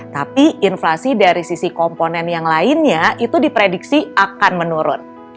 tapi inflasi dari sisi komponen yang lainnya itu diprediksi akan menurun